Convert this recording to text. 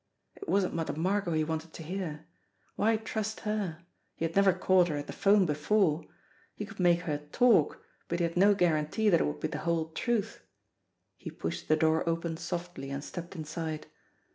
It wasn't Mother Margot he wanted to hear. Why trust her? He had never caught her at the phone before ! He could make her talk, but he had no guarantee that it would be the whole truth. He pushed the door open softly and stepped inside.